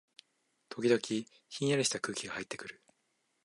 時々、ひんやりした空気がはいってくる